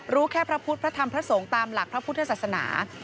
รู้แค่พระพุทธพระธรรมพระสงฆ์ตามหลักพระพุทธศาสนา